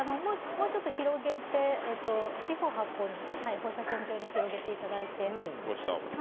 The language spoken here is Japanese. もうちょっと広げて四方八方に放射線状に広げていただいて。